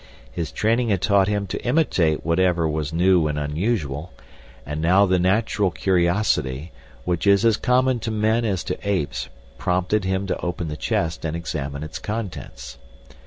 His training had taught him to imitate whatever was new and unusual, and now the natural curiosity, which is as common to men as to apes, prompted him to open the chest and examine its contents.